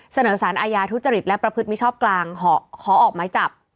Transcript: เสนอสารอาญาทุจริตและประพฤติมิชชอบกลางขอออกไม้จับ